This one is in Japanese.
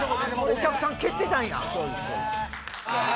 お客さん蹴ってたんや！